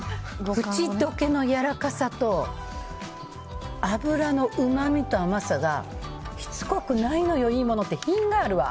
口溶けのやわらかさと脂のうまみと甘さがしつこくないのよ、いいものって品があるわ。